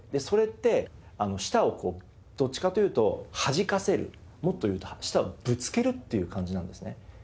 それって舌をどっちかというとはじかせるもっというと舌をぶつけるっていう感じなんですね。